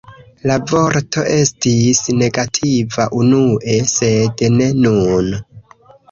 La vorto estis negativa unue, sed ne nun.